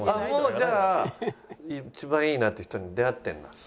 もうじゃあ一番いいなって人に出会ってるんだ？